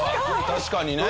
確かにね。